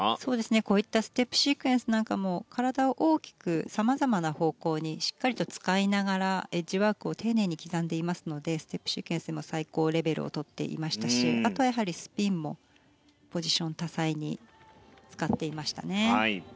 こういったステップシークエンスなんかも体を大きく様々な方向にしっかりと使いながらエッジワークを丁寧に刻んでいますのでステップシークエンスでも最高レベルを取っていましたしあとはスピンもポジション多彩に使っていましたね。